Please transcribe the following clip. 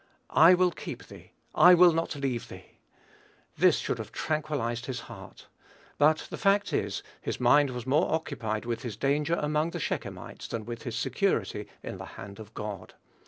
"I will keep thee.... I will not leave thee." This should have tranquillized his heart. But the fact is, his mind was more occupied with his danger among the Shechemites than with his security in the hand of God.